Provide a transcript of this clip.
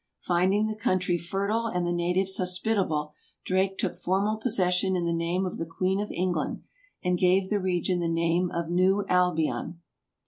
Finding the country fertile and the natives hos pitable, Drake took formal possession in the name of the Queen of England, and gave the region the name of New Albion.